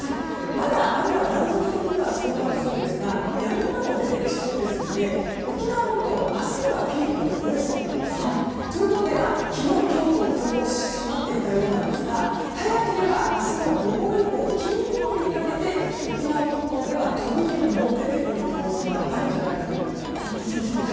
まだ雨は断続的には強まりそうですがやみ間も出てきそうなので沖縄本島は、明日にはピークを越えそうなんですね。ということで昨日、今日と空港は閉まっていたようですが早ければ明日の午後以降金曜日にかけて沖縄本島では飛ぶ便も出てくる可能性があるんじゃないかと思います。